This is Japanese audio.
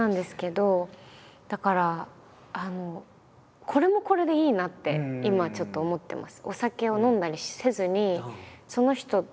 だからあのこれもこれでいいなって今はちょっと思ってます。